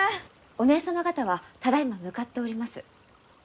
お姐様方はただいま向かっております。